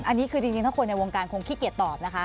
อันนี้คือจริงถ้าคนในวงการคงขี้เกียจตอบนะคะ